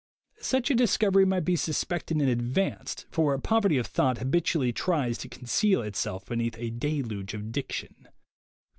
Such a discovery might be suspected in ad vance, for poverty of thought habitually tries to conceal itself beneath a deluge of diction.